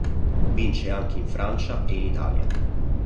Vince anche in Francia e in Italia.